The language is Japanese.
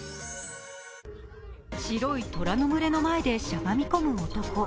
白い虎の群れの前でしゃがみ込む男。